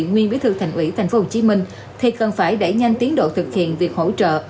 nguyên bí thư thành ủy tp hcm thì cần phải đẩy nhanh tiến độ thực hiện việc hỗ trợ